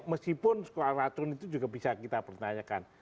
meskipun sekolah ratun itu juga bisa kita pertanyakan